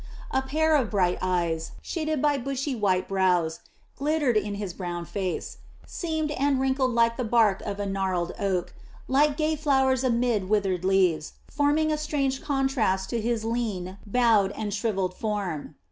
A pair of bright eyes, shaded by bushy white brows, glittered in his brown face seamed and wrinkled like the bark of a gnarled oaklike gay flowers amid withered leaves, forming a strange contrast to his lean, bowed, and shrivelled form.